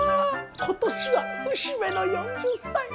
ことしは節目の４０歳。